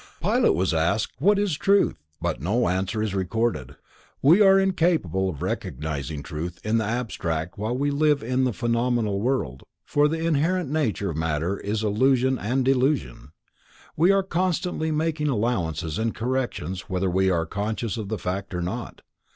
Pilate was asked "what is Truth," but no answer is recorded. We are incapable of cognizing truth in the abstract while we live in the phenomenal world, for the inherent nature of matter is illusion and delusion, and we are constantly making allowances and corrections whether we are conscious of the fact or not.